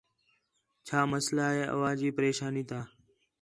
چَھا مسئلہ ہے اواں جی پریشانی تا